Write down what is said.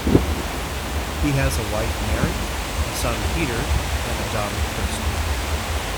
He has a wife Mary, a son Peter, and a daughter Kristin.